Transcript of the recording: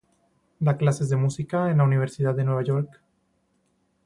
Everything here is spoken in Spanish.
Da clases de música en la Universidad de Nueva York.